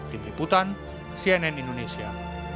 tim liputan cnn indonesia